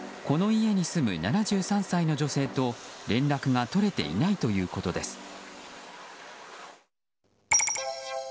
この家に住む７３歳の女性と連絡が取れていないということです。